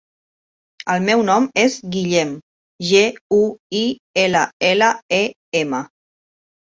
El meu nom és Guillem: ge, u, i, ela, ela, e, ema.